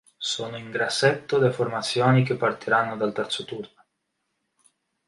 Sono in grassetto le formazioni che partiranno dal terzo turno.